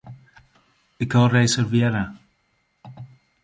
Ik ha reservearre.